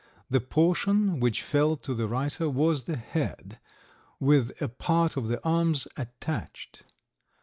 The portion which fell to the writer was the head, with a part of the arms attached.